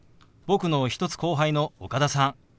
僕の１つ後輩の岡田さん。